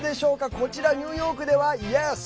こちらニューヨークではＹｅｓ！